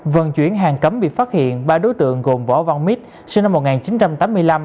vận chuyển hàng cấm bị phát hiện ba đối tượng gồm võ văn mít sinh năm một nghìn chín trăm tám mươi năm